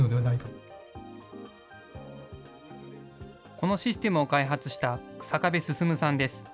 このシステムを開発した日下部進さんです。